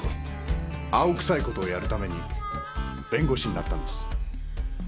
青臭いことをやるために弁護士になったんです。